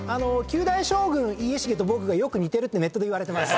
九代将軍家重と僕が似てるってネットで言われてます。